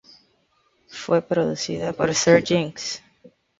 Fue producida por Sir Jinx.